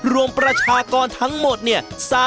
ประชากรทั้งหมดเนี่ย